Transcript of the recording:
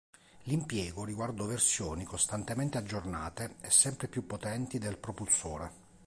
L'impiego riguardò versioni costantemente aggiornate e sempre più potenti del propulsore.